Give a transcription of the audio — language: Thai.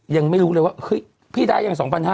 ยังไม่รู้เลยว่าพี่ได้อย่าง๒๐๐๕